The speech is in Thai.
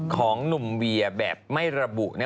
ของหนุ่มเวียแบบไม่ระบุ